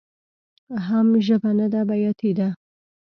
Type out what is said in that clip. حم ژبه نده بياتي ده.